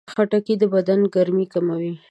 خټکی د بدن ګرمي کموي.